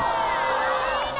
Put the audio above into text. いいね！